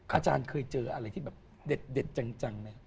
อาจารย์เคยเจออะไรที่แบบเด็ดจังไหมครับ